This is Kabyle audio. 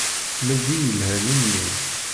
Mel-d i yelhan i mmi.